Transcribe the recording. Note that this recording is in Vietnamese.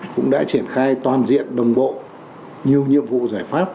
cũng đã triển khai toàn diện đồng bộ nhiều nhiệm vụ giải pháp